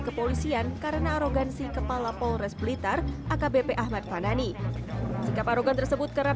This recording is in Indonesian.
kepolisian karena arogansi kepala polres blitar akbp ahmad fanani sikap arogan tersebut kerap